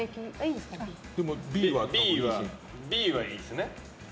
Ｂはいいですね。